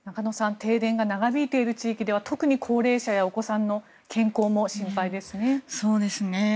停電が長引いている地域では特に高齢者やお子さんの健康も心配ですね。